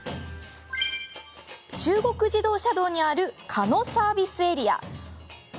中国自動車道にある鹿野サービスエリア。